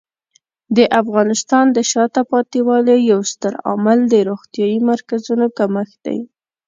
د افغانستان د شاته پاتې والي یو ستر عامل د روغتیايي مرکزونو کمښت دی.